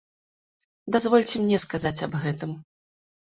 Дазвольце мне сказаць аб гэтым.